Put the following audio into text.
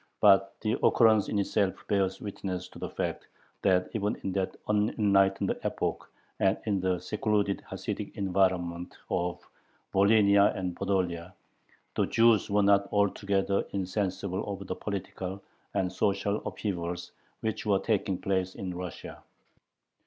But the occurrence in itself bears witness to the fact that even in that unenlightened epoch and in the secluded Hasidic environment of Volhynia and Podolia, the Jews were not altogether insensible of the political and social upheavals which were taking place in Russia.